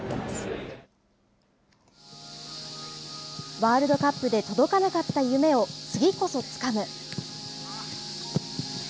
ワールドカップで届かなかった夢を次こそつかむ。